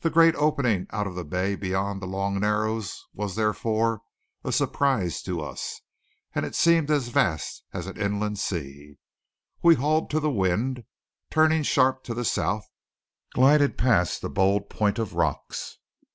The great opening out of the bay beyond the long narrows was therefore a surprise to us; it seemed as vast as an inland sea. We hauled to the wind, turning sharp to the south, glided past the bold point of rocks.